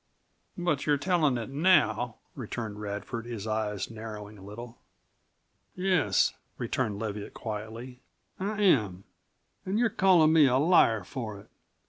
"But you're telling it now," returned Radford, his eyes narrowing a little. "Yes," returned Leviatt quietly, "I am. An' you're callin' me a liar for it.